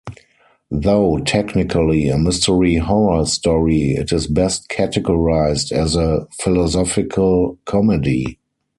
Though technically a mystery-horror story, it is best categorized as a philosophical comedy.